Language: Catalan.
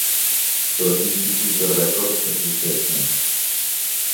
Però quin tipus de Rècord existeixen.